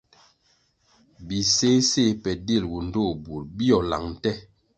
Biséséh pe dilgu ndtoh bur bíőh lang nte.